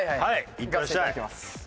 行かせていただきます。